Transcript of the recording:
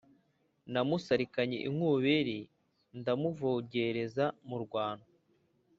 namusarikanye inkubiri ndimuvogereza mu rwano